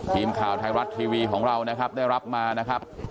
ทีมข่าวไทยรัฐทีวีของเรานะครับได้รับมานะครับ